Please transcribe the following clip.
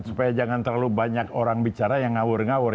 supaya jangan terlalu banyak orang bicara yang ngawur ngawur